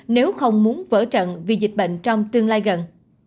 nếu không muốn vỡ trận vì dịch bệnh trong tương lai gần